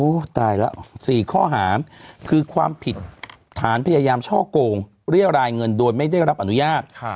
ตายแล้ว๔ข้อหาคือความผิดฐานพยายามช่อโกงเรียรายเงินโดยไม่ได้รับอนุญาต